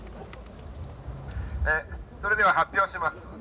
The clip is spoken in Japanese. ええそれでは発表します。